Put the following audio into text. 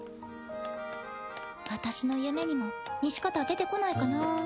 私の夢にも西片出てこないかな。